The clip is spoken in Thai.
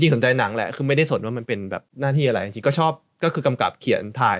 สนใจหนังแหละคือไม่ได้สนว่ามันเป็นแบบหน้าที่อะไรจริงก็ชอบก็คือกำกับเขียนถ่าย